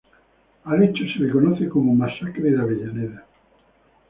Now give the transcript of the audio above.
Al hecho se lo conoce como Masacre de Avellaneda.